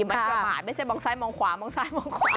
มันประมาทไม่ใช่มองซ้ายมองขวามองซ้ายมองขวา